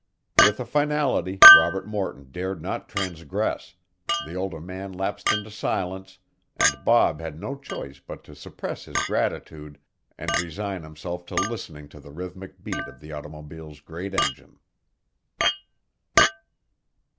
With a finality Robert Morton dared not transgress, the older man lapsed into silence and Bob had no choice but to suppress his gratitude and resign himself to listening to the rhythmic beat of the automobile's great engine.